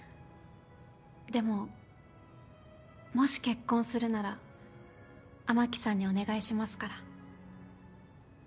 でももし結婚するなら雨樹さんにお願いしますから。